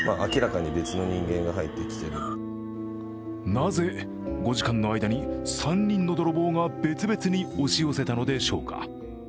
なぜ、５時間の間に３人の泥棒が別々に押し寄せたのでしょうか？